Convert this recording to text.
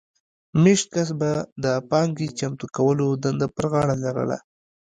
مېشت کس به د پانګې چمتو کولو دنده پر غاړه لرله